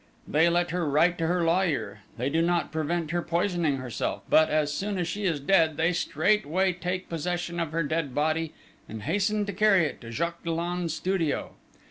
They let her write to her lawyer; they do not prevent her poisoning herself; but, as soon as she is dead, they straightway take possession of her dead body and hasten to carry it to Jacques Dollon's studio.